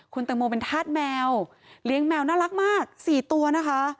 คุณตังโมเป็นธาตุแมวเลี้ยงแมวน่ารักมาก๔ตัวนะคะ